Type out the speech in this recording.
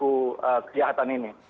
untuk kejahatan ini